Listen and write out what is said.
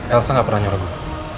elsa gak pernah nyuruh gue